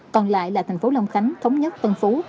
còn lại là thành phố long khánh thống nhất tân phú